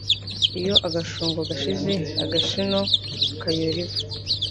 Iyo agashungo gashize, agashino kayora ivu